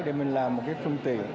để mình làm một cái phương tiện